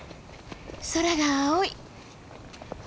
空が青い！